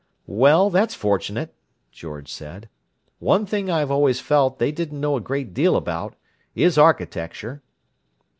"Well, that's fortunate," George said. "One thing I've always felt they didn't know a great deal about is architecture."